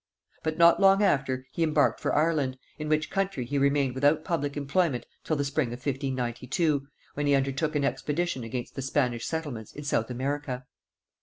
But not long after he embarked for Ireland, in which country he remained without public employment till the spring of 1592, when he undertook an expedition against the Spanish settlements in South America.